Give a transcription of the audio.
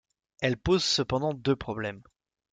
Elle pose cependant deux problèmes.